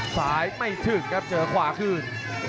ซ้ายไม่ถึงครับเจอขวาขึ้น